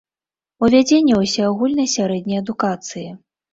Увядзенне ўсеагульнай сярэдняй адукацыі.